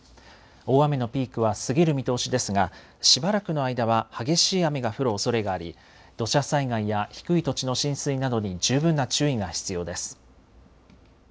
大雨のピークは過ぎる見通しですがしばらくの間は激しい雨が降るおそれがあり、土砂災害や低い土地の浸水などに十分な注意が必要です。